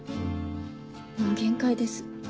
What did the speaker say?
もう限界です。